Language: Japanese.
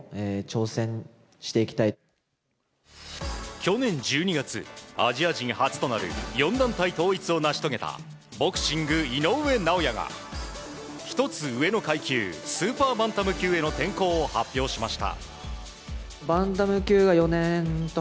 去年１２月、アジア人初となる４団体統一を成し遂げたボクシング、井上尚弥が１つ上の階級スーパーバンタム級への転向を発表しました。